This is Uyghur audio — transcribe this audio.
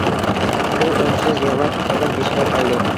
ئۇ ئۈنسىز يىغلاپ قازان بېشىغا كەلدى.